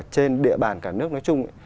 trên địa bàn cả nước nói chung